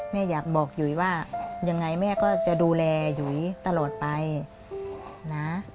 แม่อยากบอกหยุยว่ายังไงแม่ก็จะดูแลหยุยตลอดไปนะ